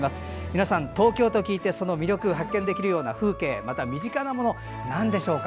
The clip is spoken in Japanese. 皆さん東京と聞いて魅力を発見できるような風景、身近にあるものなんでしょうか。